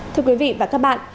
thưa quý vị và các bạn